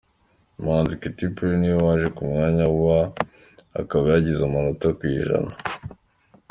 Umuhanzikazi Katy Perry ni we waje ku mwanya wa akaba yagize amanota , ku ijana.